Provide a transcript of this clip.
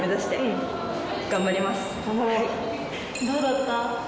どうだった？